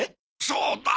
そうだ！